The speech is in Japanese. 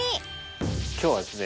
今日はですね